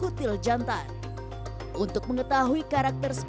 oh itu kandangnya pak